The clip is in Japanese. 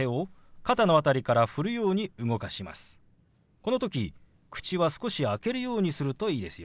この時口は少し開けるようにするといいですよ。